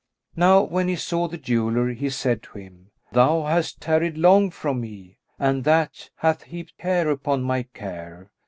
Now when he saw the jeweller, he said to him, "Thou hast tarried long from me, and that hath heaped care upon my care."